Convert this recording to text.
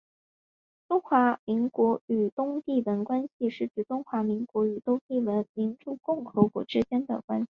中华民国与东帝汶关系是指中华民国与东帝汶民主共和国之间的关系。